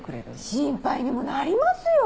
心配にもなりますよ。